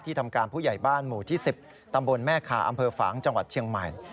ทำการผู้ใหญ่บ้านหมู่ที่๑๐ตำบลแม่คาอำเภอฝางจังหวัดเชียงใหม่